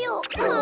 あ！